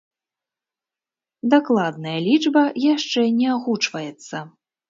Дакладная лічба яшчэ не агучваецца.